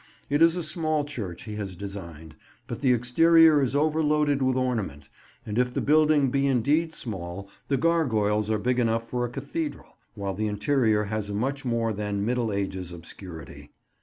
It is a small church he has designed, but the exterior is overloaded with ornament; and if the building be indeed small, the gargoyles are big enough for a cathedral, while the interior has a much more than Middle Ages obscurity.